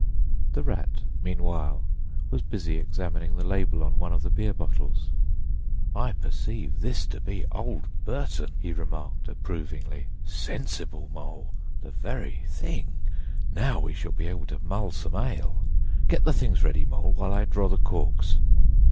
The Rat, meanwhile, was busy examining the label on one of the beer bottles. "I perceive this to be Old Burton," he remarked approvingly. "Sensible Mole! The very thing! Now we shall be able to mull some ale! Get the things ready, Mole, while I draw the corks."